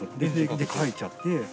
で、帰っちゃって。